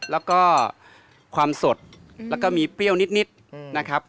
แล้วก็ความสดแล้วก็มีเปรี้ยวนิดนะครับ